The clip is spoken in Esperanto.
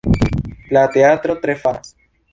La teatro tre famas.